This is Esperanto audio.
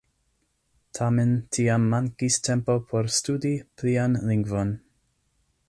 Tamen tiam mankis tempo por studi plian lingvon.